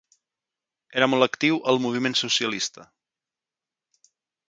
Era molt actiu al moviment socialista.